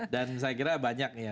dan saya kira banyak ya